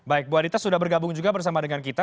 baik bu adita sudah bergabung juga bersama dengan kita